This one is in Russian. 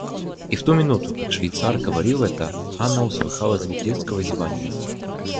И в ту минуту, как швейцар говорил это, Анна услыхала звук детского зеванья.